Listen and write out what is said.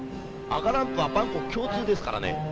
赤ランプは万国共通ですからね。